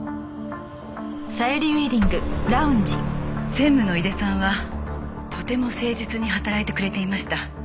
専務の井出さんはとても誠実に働いてくれていました。